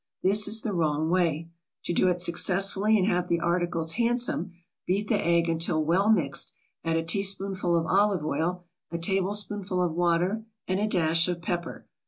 This is the wrong way. To do it successfully and have the articles handsome, beat the egg until well mixed, add a teaspoonful of olive oil, a tablespoonful of water and a dash of pepper.